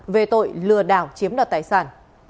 về tội lừa đảo chiếm đoạt tài sản